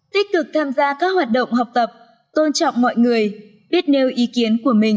tích cực tham gia các hoạt động học tập tôn trọng mọi người biết nêu ý kiến của mình